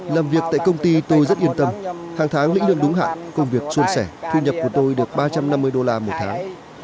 làm việc tại công ty tôi rất yên tâm hàng tháng lĩnh lượng đúng hạn công việc xuân sẻ thu nhập của tôi được ba trăm năm mươi đô la một tháng